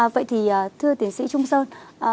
vậy thì thưa tiến sĩ trung sơn